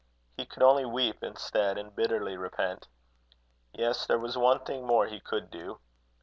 He could only weep instead, and bitterly repent. Yes; there was one thing more he could do.